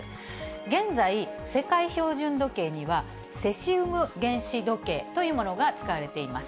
現在、世界標準時計には、セシウム原子時計というものが使われています。